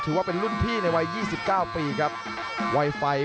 จากนางรองบุรีลำครับวัย๒๙ปี